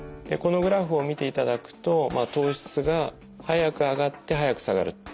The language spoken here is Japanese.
このグラフを見ていただくと糖質が早く上がって早く下がる。